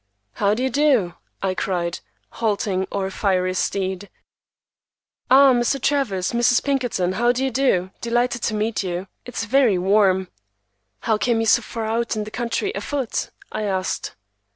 "How d'ye do?" I cried, halting our fiery steed. "Ah! Mr. Travers, Mrs. Pinkerton, how do you do? Delighted to meet you. It's very warm." "How came you so far out in the country afoot?" I asked.